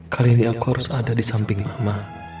kali ini aku harus ada di samping mama